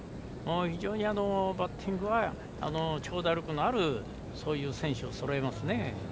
非常にバッティングは長打力のある選手をそろえますね。